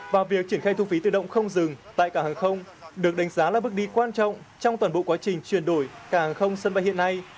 và việc triển khai thu phí tự động không dừng tại cảng hàng không được đánh giá là bước đi quan trọng trong toàn bộ quá trình chuyển đổi cảng hàng không sân bay hiện nay